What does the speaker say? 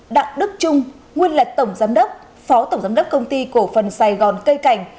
đặng đức trung nguyên là tổng giám đốc phó tổng giám đốc công ty cổ phần sài gòn cây cảnh